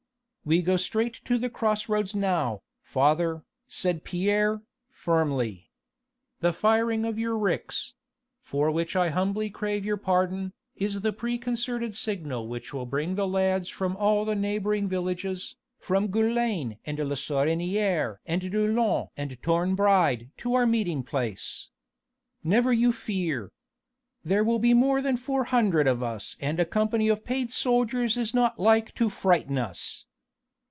"We go straight to the cross roads now, father," said Pierre, firmly. "The firing of your ricks for which I humbly crave your pardon is the preconcerted signal which will bring the lads from all the neighbouring villages from Goulaine and les Sorinières and Doulon and Tourne Bride to our meeting place. Never you fear! There will be more than four hundred of us and a company of paid soldiers is not like to frighten us.